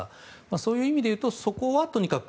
そういう意味で言うとそこはとにかく